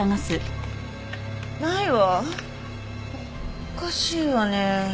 おかしいわね。